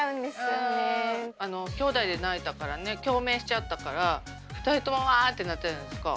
きょうだいで泣いたからね共鳴しちゃったから２人ともわあってなったじゃないですか。